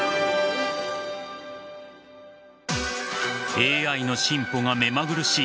ＡＩの進歩が目まぐるしい